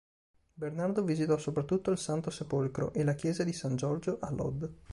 Bernardo visitò soprattutto il Santo Sepolcro, e la chiesa di San Giorgio a Lod.